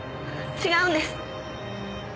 違うんです！